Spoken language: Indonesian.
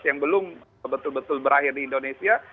covid sembilan belas yang belum sebetul betul berakhir di indonesia